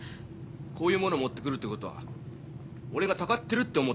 こういうもの持ってくるってことは俺がたかってるって思ってるからだろ？